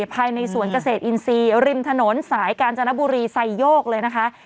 ภายในสวนเกษตรอินทรีย์ริมถนนสายกาญจนบุรีไซโยกเลยนะคะ